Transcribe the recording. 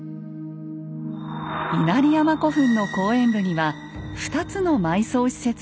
稲荷山古墳の後円部には２つの埋葬施設があります。